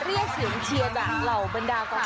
ขอบคุณเชียร์จากเหล่าบรรดาค่ะ